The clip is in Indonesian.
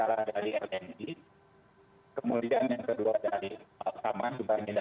kemudian yang kedua dari pertama juga ini dari saat